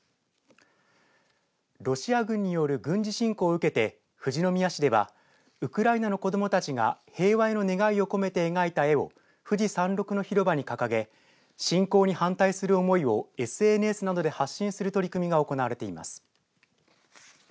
ロシア軍による軍事侵攻を受けて富士宮市ではウクライナの子どもたちが平和への願いを込めて描いた絵を富士山ろくの広場に掲げ侵攻に反対する思いをＳＮＳなどで発信する取り組みが行われています。